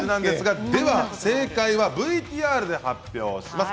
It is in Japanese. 正解はＶＴＲで発表します。